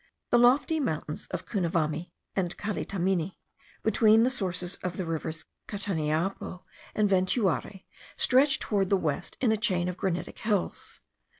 The lofty mountains of Cunavami and Calitamini, between the sources of the rivers Cataniapo and Ventuari, stretch toward the west in a chain of granitic hills.